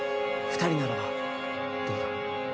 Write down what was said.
二人ならばどうだ？